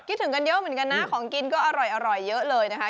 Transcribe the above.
คิดถึงกันเยอะเหมือนกันนะของกินก็อร่อยเยอะเลยนะคะ